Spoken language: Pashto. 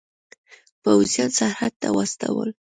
پوځیان سرحد ته واستول.